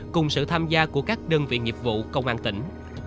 cùng sự tham gia của các đơn vị nghiệp vụ công an tỉnh